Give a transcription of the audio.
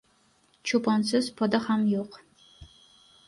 • Cho‘ponsiz poda ham yo‘q.